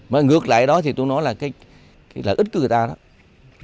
mà ngược lại đó thì tôi nói là cái lợi ích của người ta đó